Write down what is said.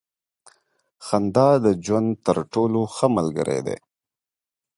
• خندا د ژوند تر ټولو ښه ملګری دی.